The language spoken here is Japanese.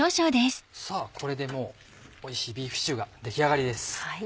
さぁこれでもうおいしいビーフシチューが出来上がりです。